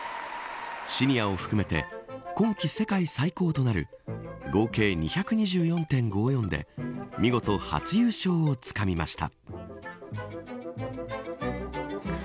シニアを含めて今季世界最高となる合計２２４．５４で見事、初優勝をつかみました。